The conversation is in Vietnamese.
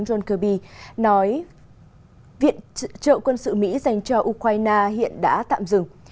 john kirby nói viện trợ quân sự mỹ dành cho ukraine hiện đã tạm dừng